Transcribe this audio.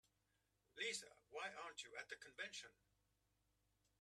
Lisa, why aren't you at the convention?